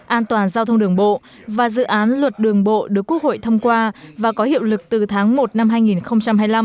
an toàn giao thông đường bộ và dự án luật đường bộ được quốc hội thông qua và có hiệu lực từ tháng một năm hai nghìn hai mươi năm